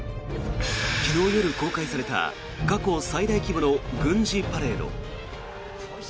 昨日夜公開された過去最大規模の軍事パレード。